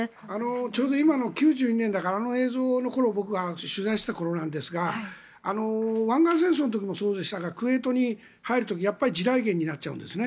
ちょうど今の１９９２年だから僕が取材した頃なんですが湾岸戦争の時もそうでしたがクウェートに入る時地雷原になっちゃうんですね。